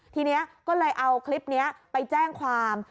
ทีนี้ก็เลยเอาคลิปนี้ไปแจ้งความ